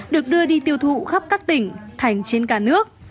được đưa đi tiêu thụ khắp các tỉnh thành trên cả nước